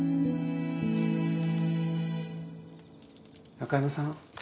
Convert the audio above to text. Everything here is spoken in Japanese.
中山さん？